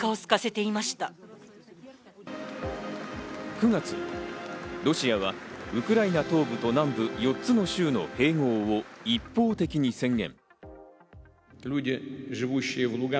９月、ロシアはウクライナ東部と南部、４つの州の併合を一方的に宣言。